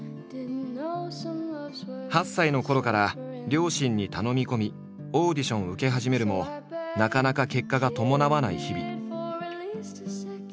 ８歳のころから両親に頼み込みオーディションを受け始めるもなかなか結果が伴わない日々。